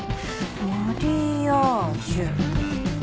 マリアージュ。